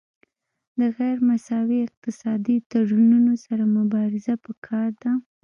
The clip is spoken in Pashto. د غیر مساوي اقتصادي تړونونو سره مبارزه پکار ده